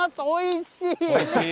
おいしい？